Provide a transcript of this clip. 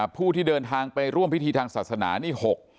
ผู้ที่เดินทางไปร่วมพิธีทางศาสนานี่๖